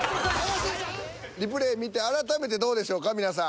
リプレイ見て改めてどうでしょうか皆さん。